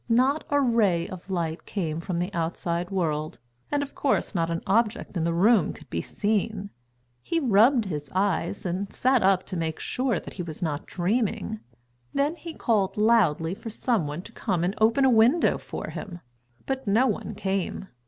Not a ray of light came from the outside world, and, of course, not an object in the room could be seen. He rubbed his eyes and sat up to make sure that he was not dreaming. Then he called loudly for someone to come and open a window for him, but no one came.